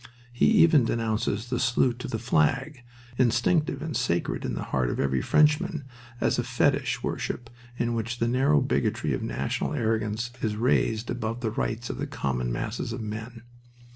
He even denounces the salute to the flag, instinctive and sacred in the heart of every Frenchman, as a fetish worship in which the narrow bigotry of national arrogance is raised above the rights of the common masses of men.